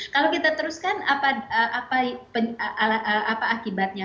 kalau kita teruskan apa akibatnya